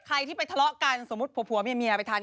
ใครที่ไปทะเลาะกันสมมุติผัวเมียไปทาน